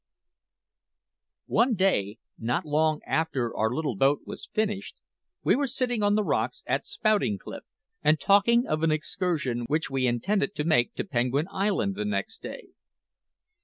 One day, not long after our little boat was finished, we were sitting on the rocks at Spouting Cliff, and talking of an excursion which we intended to make to Penguin Island the next day.